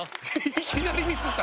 いきなりミスった。